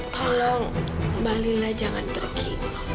tolong mbak lila jangan pergi